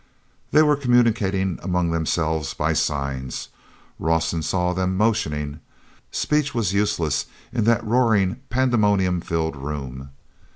They were communicating among themselves by signs. Rawson saw them motioning. Speech was useless in that roaring, pandemonium filled room.